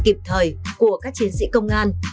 kịp thời của các chiến sĩ công an